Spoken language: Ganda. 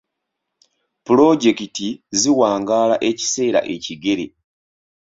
Pulojekiti ziwangaala ekiseera ekigere.